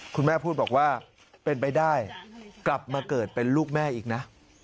คุณแม่พูดบอกว่าเป็นไปได้กลับมาเกิดเป็นลูกแม่อีกนะ